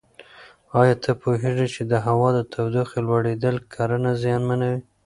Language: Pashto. ایا ته پوهېږې چې د هوا د تودوخې لوړېدل کرنه زیانمنوي؟